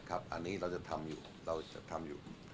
อันนี้เราจะทำอยู่